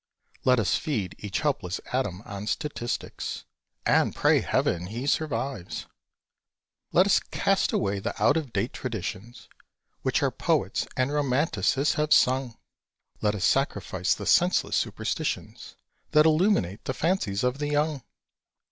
Let us feed each helpless atom on statistics, And pray Heaven he survives! Let us cast away the out of date traditions, Which our poets and romanticists have sung! Let us sacrifice the senseless superstitions That illuminate the fancies of the young!